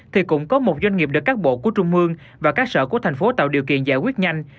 thì cũng có một doanh nghiệp được các bộ của trung mương và các sở của thành phố tạo điều kiện giải quyết nhanh